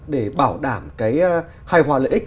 để bảo đảm cái hài hòa lợi ích